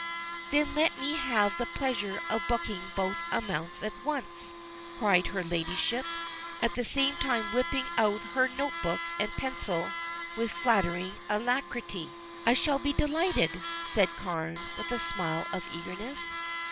"Then let me have the pleasure of booking both amounts at once," cried her ladyship, at the same time whipping out her note book and pencil with flattering alacrity. "I shall be delighted," said Carne, with a smile of eagerness.